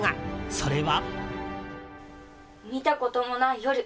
それは。